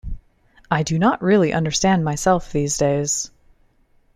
I do not really understand myself these days.